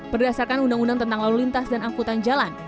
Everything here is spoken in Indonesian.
berdasarkan undang undang tentang lalu lintas dan angkutan jalan